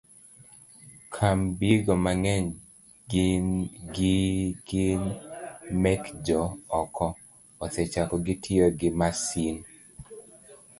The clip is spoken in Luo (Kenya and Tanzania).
kambigo mang'eny gi gin mekjo oko, asechako gi tiyo gi masin